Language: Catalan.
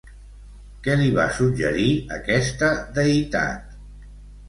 Què li va suggerir aquesta deïtat?